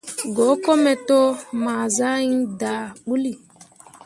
Go kome to, ma sah iŋ daa bǝulli.